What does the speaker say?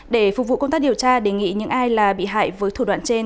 để phục vụ công tác điều tra đề nghị những ai là bị hại với thủ đoạn trên